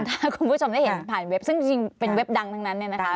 ถ้าคุณผู้ชมได้เห็นผ่านเว็บซึ่งจริงเป็นเว็บดังทั้งนั้นเนี่ยนะคะ